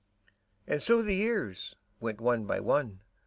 And so the years went one by one.